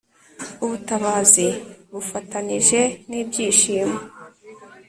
ubutabazi bufatanije n'ibyishimo